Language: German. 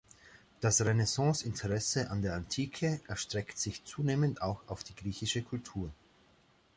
Das Renaissance-Interesse an der Antike erstreckt sich zunehmend auch auf die griechische Kultur.